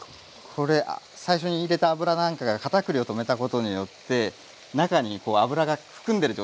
これ最初に入れた油なんかが片栗をとめたことによって中に油が含んでる状態になってますよね。